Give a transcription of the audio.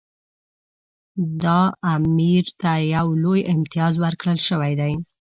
دا امیر ته یو لوی امتیاز ورکړل شوی دی.